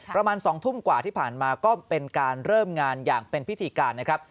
ประมาณ๒ทุ่มกว่าที่ผ่านมาก็เป็นการเริ่มงานอย่างเป็นพิธีการนะครับ